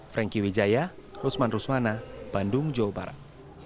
franky wijaya rusman rusmana bandung jawa barat